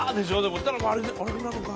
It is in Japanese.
そしたらあれなのか。